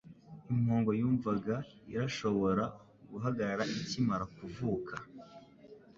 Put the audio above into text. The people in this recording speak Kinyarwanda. Impongo yumwana irashobora guhagarara ikimara kuvuka.